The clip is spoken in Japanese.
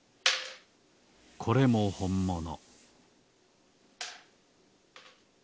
これもほんもの